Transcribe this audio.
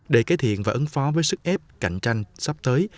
để cải thiện và ứng phó với sức ép cạnh tranh sắp tới